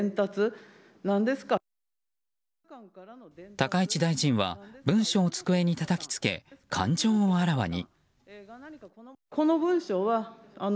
高市大臣は文書を机にたたきつけ感情をあらわに。